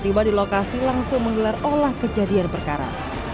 pemuda di lokasi langsung menggelar olah kejadian berkara